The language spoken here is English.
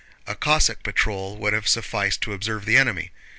A Cossack patrol would have sufficed to observe the enemy.